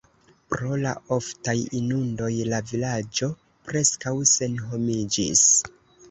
Pro la oftaj inundoj la vilaĝo preskaŭ senhomiĝis.